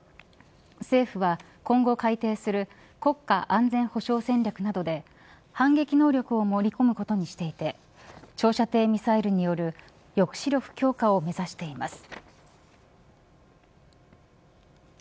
政府は今後改定する国家安全保障戦略などで反撃能力を盛り込むことにしていて長射程ミサイルによる抑止力強化を目指しています。